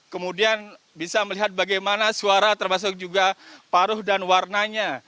kemudian bisa melihat bagaimana suara termasuk juga paruh dan warnanya